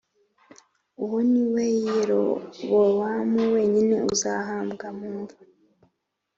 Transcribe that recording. Uwo ni we wa Yerobowamu wenyine uzahambwa mu mva